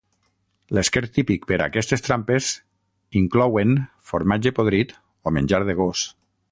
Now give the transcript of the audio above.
L'esquer típic per a aquestes trampes inclouen formatge podrit o menjar de gos.